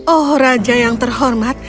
oh raja yang terhormat